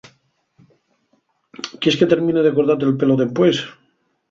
¿Quies que termine de cortate'l pelo dempués?